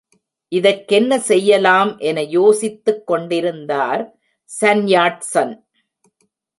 இதற்கென்ன செய்யலாம் என யோசித்துக் கொண்டிருந்தார் சன் யாட் சன்.